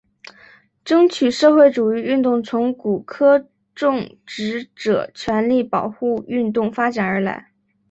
争取社会主义运动从古柯种植者权利保护运动发展而来。